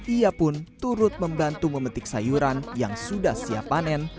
ia pun turut membantu memetik sayuran yang sudah siap panen